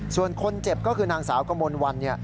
ส่วนคนเจ็บก็คือนางสาวกมลวัน